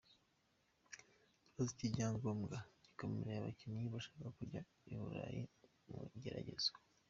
Ikibazo cy’ibyangombwa gikomereye abakinnyi bashaka kujya i Burayi mu igeragezwa